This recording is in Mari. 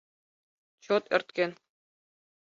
Чот ӧрткен.